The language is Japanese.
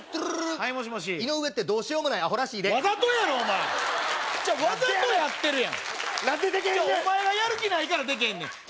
はいもしもし井上ってどうしようもないアホらしいでわざとやろお前わざとやってるやん何でできへんねんお前がやる気ないからできへんじゃ